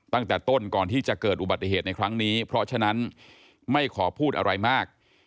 ตั้งแต่ต้นก่อนที่จะเกิดอุบัติเหตุในครั้งนี้เพราะฉะนั้นไม่ขอพูดอะไรมาก